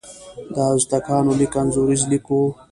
د ازتکانو لیک انځوریز لیک و.